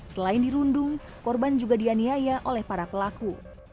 selain dirundung korban juga dianiaya oleh para pelaku